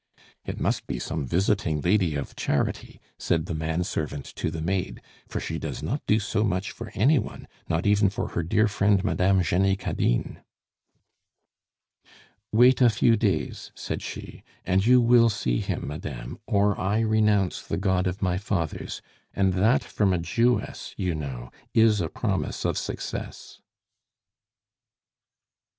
"It must be some visiting Lady of Charity," said the man servant to the maid, "for she does not do so much for any one, not even for her dear friend Madame Jenny Cadine." "Wait a few days," said she, "and you will see him, madame, or I renounce the God of my fathers and that from a Jewess, you know, is a promise of success."